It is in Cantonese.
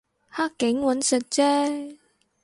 黑警搵食啫